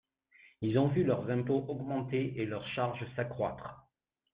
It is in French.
Ils ont vu leurs impôts augmenter et leurs charges s’accroître.